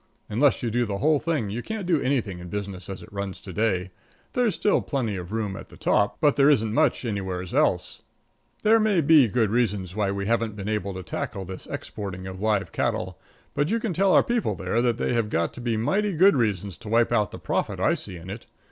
Unless you do the whole thing you can't do anything in business as it runs to day. There's still plenty of room at the top, but there isn't much anywheres else. There may be reasons why we haven't been able to tackle this exporting of live cattle, but you can tell our people there that they have got to be mighty good reasons to wipe out the profit I see in it.